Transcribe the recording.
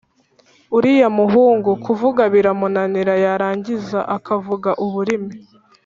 uriya muhungu kuvuga biramunanira yarangiza akavuga uburimi